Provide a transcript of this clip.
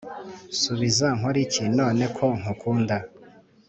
nsubiza nkoriki none ko nkukunda